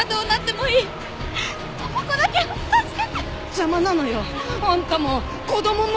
邪魔なのよあんたも子供も！